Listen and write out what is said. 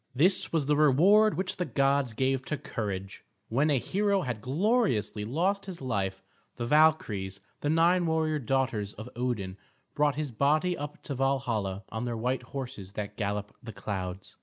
This was the reward which the gods gave to courage. When a hero had gloriously lost his life, the Valkyries, the nine warrior daughters of Odin, brought his body up to Valhalla on their white horses that gallop the clouds.